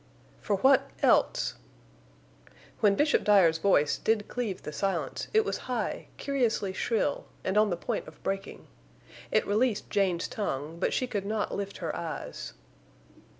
"For what—else?" When Bishop Dyer's voice did cleave the silence it was high, curiously shrill, and on the point of breaking. It released Jane's tongue, but she could not lift her eyes.